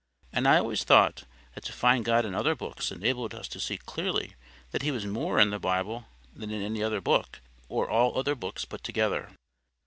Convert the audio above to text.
And I always thought, that to find God in other books enabled us to see clearly that he was MORE in the Bible than in any other book, or all other books put together.